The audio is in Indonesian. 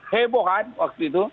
heboh kan waktu itu